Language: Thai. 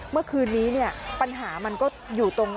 เมื่อคืนนี้เนี่ยปัญหามันก็อยู่ตรง